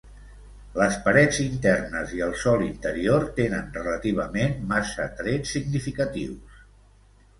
Les parets internes i el sòl interior tenen relativament massa trets significatius.